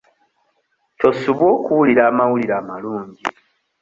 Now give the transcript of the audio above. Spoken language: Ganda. Tosubwa okuwulira amawulire amalungi.